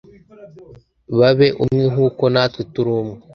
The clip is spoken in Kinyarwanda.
babe umwe, nk'uko natwe turi umwe.